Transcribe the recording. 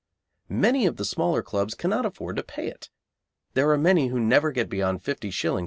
Many of the smaller clubs cannot afford to pay it. There are many who never get beyond 50s.